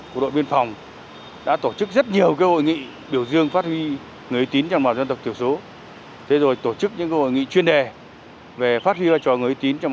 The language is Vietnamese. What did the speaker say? trong đồng bài dân tộc thiếu số thưa ông